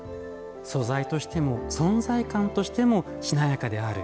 素材としても存在感としてもしなやかである。